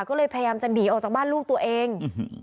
ก็เลยพยายามจะหนีออกจากบ้านลูกตัวเอง